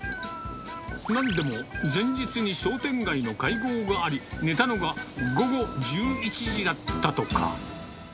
なんでも前日に商店街の会合があり、寝たのが午後１１時だったとか。